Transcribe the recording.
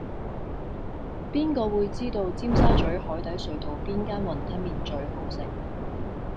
邊個會知道尖沙咀海底隧道邊間雲吞麵最好食